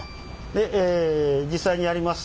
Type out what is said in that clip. でえ実際にやります。